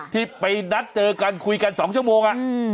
ที่ไปนัดเจอกันคุยกัน๒ชั่วโมง